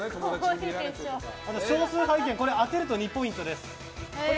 あとは、少数派意見で当てると２ポイントです。